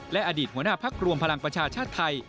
และอดีตหัวหน้าพักรวมพลังประชาชาติไทย